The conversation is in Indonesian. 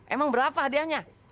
emang berapa hadiahnya